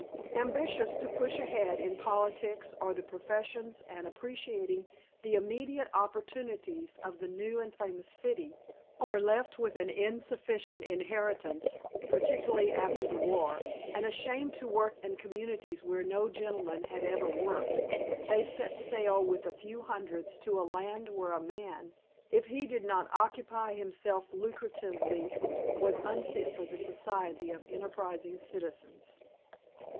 Ambitious to push ahead in politics or the professions and appreciating the immediate opportunities of the new and famous city, or left with an insufficient inheritance (particularly after the war) and ashamed to work in communities where no gentleman had ever worked, they had set sail with a few hundreds to a land where a man, if he did not occupy himself lucratively, was unfit for the society of enterprising citizens.